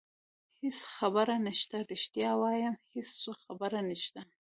هېڅ خبره نشته، رښتیا وایم هېڅ خبره نشته.